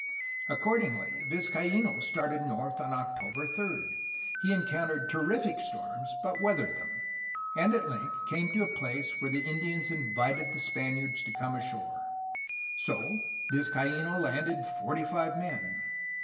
Accordingly Vizcaino started north on October 3. He encountered terrific storms, but weathered them, and at length came to a place where the Indians invited the Spaniards to come ashore. So Vizcaino landed forty five men.